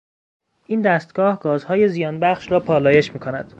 این دستگاه گازهای زیان بخش را پالایش میکند.